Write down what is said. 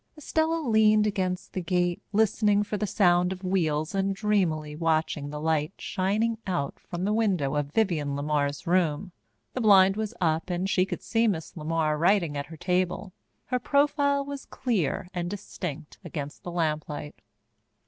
Estella leaned against the gate, listening for the sound of wheels and dreamily watching the light shining out from the window of Vivienne LeMar's room. The blind was up and she could see Miss LeMar writing at her table. Her profile was clear and distinct against the lamplight.